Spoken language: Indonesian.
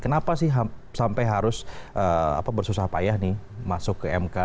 kenapa sih sampai harus bersusah payah nih masuk ke mk